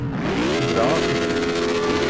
Kemmleɣ axeddim.